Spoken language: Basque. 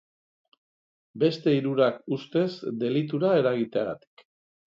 Beste hirurak ustez, delitura eragiteagatik.